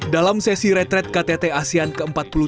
dalam sesi retret ktt asean ke empat puluh dua